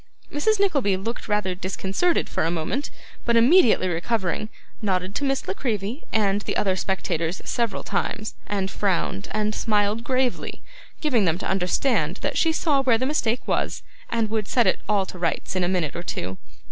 Mrs. Nickleby looked rather disconcerted for a moment, but immediately recovering, nodded to Miss La Creevy and the other spectators several times, and frowned, and smiled gravely, giving them to understand that she saw where the mistake was, and would set it all to rights in a minute or two.